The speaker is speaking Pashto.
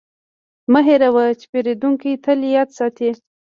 مه هېروه چې پیرودونکی تل یاد ساتي.